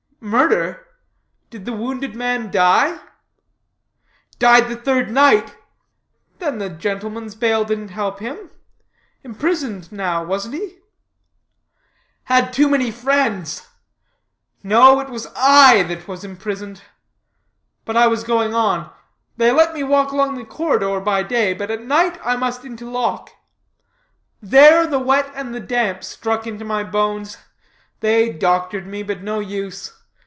"Murder? Did the wounded man die?" "Died the third night." "Then the gentleman's bail didn't help him. Imprisoned now, wasn't he?" "Had too many friends. No, it was I that was imprisoned. But I was going on: They let me walk about the corridor by day; but at night I must into lock. There the wet and the damp struck into my bones. They doctored me, but no use.